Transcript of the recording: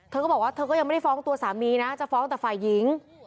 เธอก็บอกว่าเธอก็ยังไม่ได้ฟ้องตัวสามีนะจะฟ้องแต่ฝ่ายหญิง